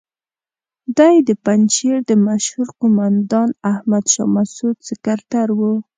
دی د پنجشیر د مشهور قوماندان احمد شاه مسعود سکرتر وو.